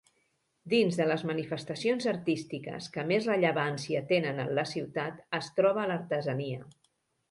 Dins de les manifestacions artístiques que més rellevància tenen en la ciutat, es troba l'artesania.